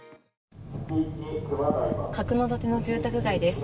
角館の住宅街です。